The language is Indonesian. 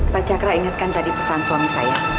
pak cakra ingatkan tadi pesan suami saya